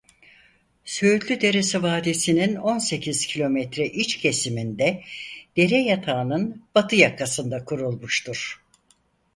Söğütlü Deresi vadisinin on sekiz kilometre iç kesiminde dere yatağının batı yakasında kurulmuştur.